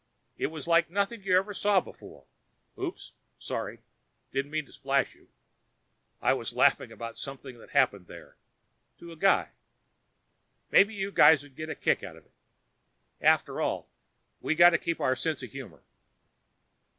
It was like nothing you ever saw before. Oops sorry. Didn't mean to splash you. I was laughing about something that happened there to a guy. Maybe you guys would get a kick out of it. After all, we got to keep our sense of humor.